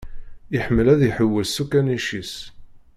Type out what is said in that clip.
Iḥemmel ad iḥewwes s ukanic-is.